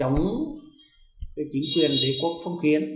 lập chính phủ